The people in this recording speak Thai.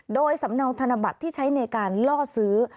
โดยสำเนาธนบัตรที่ใช้ในการล่อซื้อ